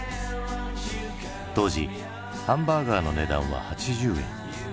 当時ハンバーガーの値段は８０円。